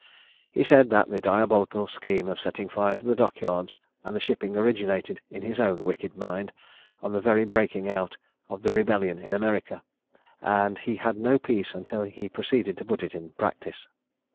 He said that the diabolical scheme of setting fire to the dock yards and the shipping originated in his own wicked mind, on the very breaking out of the rebellion in America; and he had no peace until he proceeded to put it in practice.